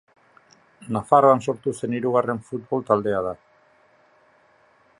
Nafarroan sortu zen hirugarren futbol taldea da.